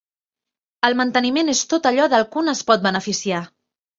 El manteniment és tot allò del que un es pot beneficiar.